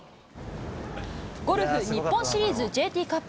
ゴルフ日本シリーズＪＴカップ。